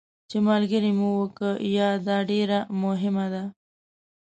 چې ملګري مو وو که یا، دا ډېره مهمه وه.